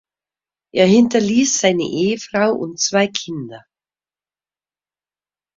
Er hinterließ seine Ehefrau und zwei Kinder.